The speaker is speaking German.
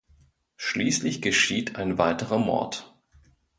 Schließlich geschieht ein weiterer Mord.